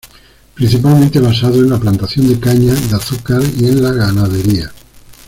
Principalmente basado en la plantación de caña de azúcar, y en la ganadería.